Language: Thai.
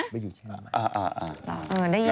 พี่ใครอ่ะ